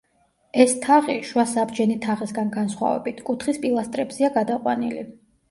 ეს თაღი, შუა საბჯენი თაღისგან განსხვავებით, კუთხის პილასტრებზეა გადაყვანილი.